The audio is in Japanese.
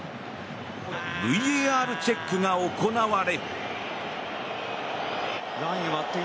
ＶＡＲチェックが行われ。